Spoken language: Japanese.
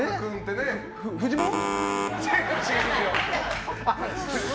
フジモン？